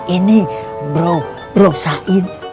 ini bro sain